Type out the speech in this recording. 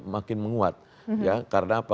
makin menguat ya karena apa